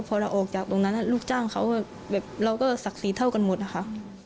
พอเราออกจากตรงนั้นลูกจ้างเขาแบบเราก็ศักดิ์ศรีเท่ากันหมดนะคะ